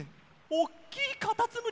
おっきいカタツムリ！